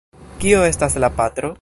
Kio estas la patro?